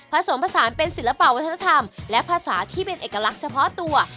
ผสมผสานเป็นศิลปะวัฒนธรรมและภาษาที่เป็นเอกลักษณ์เฉพาะตัว